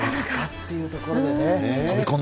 っていうところでね、飛び込